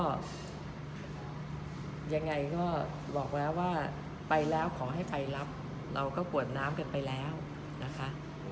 ก็ยังไงก็บอกแล้วว่าไปแล้วขอให้ไปรับเราก็กวดน้ำกันไปแล้วนะคะ